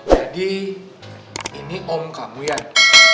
jadi ini om kamu yan